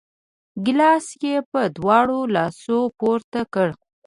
ګیلاس یې په دواړو لاسو پورته کړ!